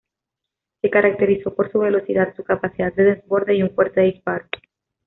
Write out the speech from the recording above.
Se caracterizó por su velocidad, su capacidad de desborde y un fuerte disparo.